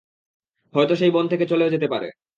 হয়ত সেই বন থেকে চলেও যেতে পারে।